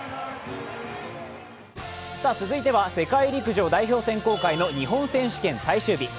続いては、世界陸上代表選考会の日本選手権最終日。